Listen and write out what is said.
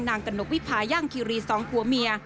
นางกระนูกวิภายั่งคิรีสองหัวเมีย